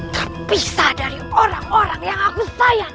terpisah dari orang orang yang aku sayang